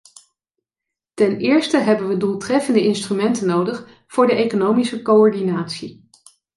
Ten eerste hebben wij doeltreffende instrumenten nodig voor de economische coördinatie.